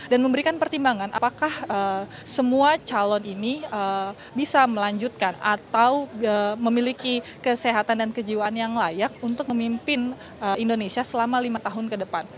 dan memberikan pertimbangan apakah semua calon ini bisa melanjutkan atau memiliki kesehatan dan kejiwaan yang layak untuk memimpin indonesia selama lima tahun ke depan